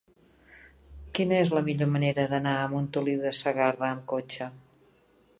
Quina és la millor manera d'anar a Montoliu de Segarra amb cotxe?